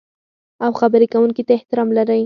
او خبرې کوونکي ته احترام لرئ.